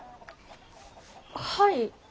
はい。